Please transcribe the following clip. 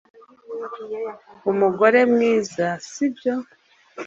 Umugore mwiza sibyo